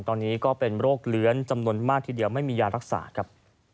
ตอนนี้ก็เป็นโรคเลื้อนจำนวนมากทีเดียวไม่มียารักษาครับ